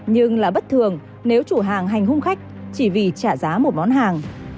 nhưng là bất thường nếu chủ hàng hành hung khách chỉ vì trả giá một món hàng